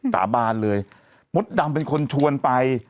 ก็ฟาที่ก็ไป